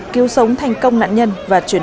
cứu sống thành công nạn nhân và chuyển